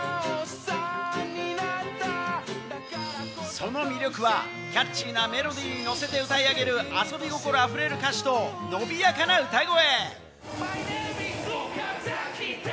その楽曲はキャッチーなメロディーに乗る、遊び心あふれる歌詞と伸びやかな歌声。